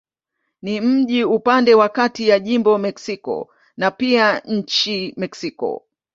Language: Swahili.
Ni mji upande wa kati ya jimbo Mexico na pia nchi Mexiko.